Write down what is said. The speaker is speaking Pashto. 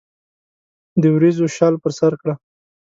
دوریځو شال پر سرکړه